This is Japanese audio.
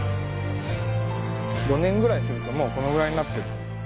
５年ぐらいするともうこのぐらいになってる。